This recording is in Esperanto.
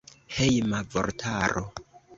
Hejma vortaro.